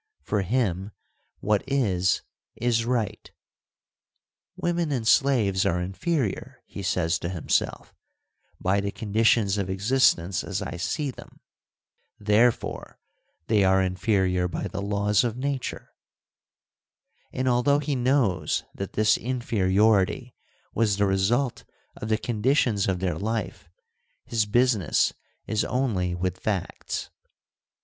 For him, what is is right. ' Women and slaves are inferior,' he says to himself, ' by the conditions of existence as I see them : therefore they are inferior by the laws of nature,' and although he knows that this inferiority was the result of the conditions of their life, his business is only with facts.